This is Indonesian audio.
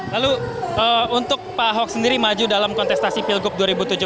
lalu untuk pak ahok sendiri maju dalam kontestasi pilgub dua ribu tujuh belas